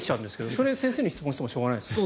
それは先生に質問してもしょうがないですね。